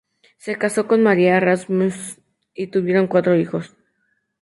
Se casó con María Rasmussen y tuvieron cuatro hijos.